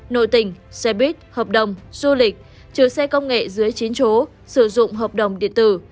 nội tỉnh xe buýt hợp đồng du lịch trừ xe công nghệ dưới chín chỗ sử dụng hợp đồng điện tử